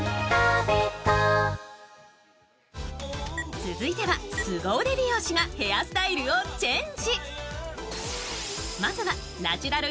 続いては、すご腕美容師がヘアスタイルをチェンジ。